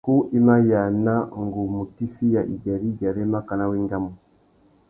Kú i ma yāna ngu mù tifiya igüêrê-igüêrê makana wa engamú.